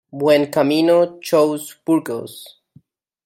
Buencamino chose Burgos.